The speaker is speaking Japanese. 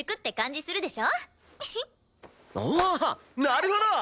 なるほど。